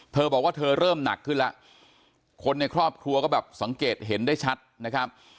เธอบอกว่าเธอเริ่มหนักขึ้นแล้วคนในครอบครัวก็แบบสังเกตเห็นได้ชัดนะครับ